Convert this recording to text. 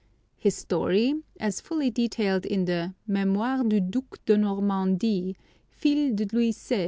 His story, as fully detailed in the "_Mémoires du Duc de Normandie, fils de Louis XVI.